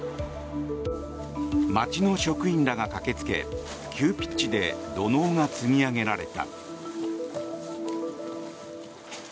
町の職員らが駆けつけ急ピッチで土のうが積み上げられた。